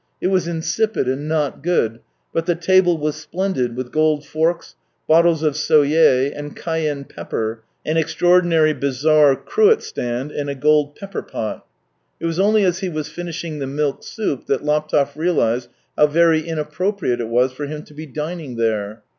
It was insipid and not good; but the table was splendid, with gold forks, bottles of Soyer, and cayenne pepper, an extraordinary bizarre cruet stand, and a gold pepper pot. It was only as he was finishing the milk soup that Laptev realized how very inappropriate it was for him to be dining there.